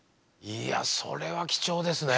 いやそれは貴重ですね。